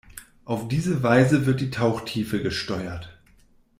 Auf diese Weise wird die Tauchtiefe gesteuert.